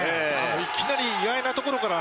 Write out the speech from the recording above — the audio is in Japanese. いきなり意外なところから。